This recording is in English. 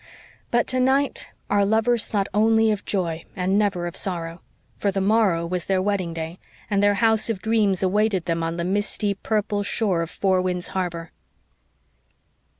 But tonight our lovers thought only of joy and never of sorrow. For the morrow was their wedding day, and their house of dreams awaited them on the misty, purple shore of Four Winds Harbor.